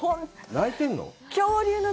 泣いてるの？